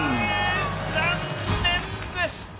残念でした。